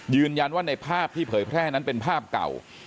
ในภาพที่เผยแพร่นั้นเป็นภาพเก่า